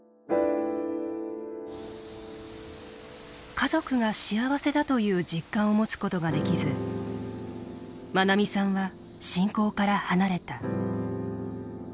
家族が幸せだという実感を持つことができずまなみさんは信仰から離れた。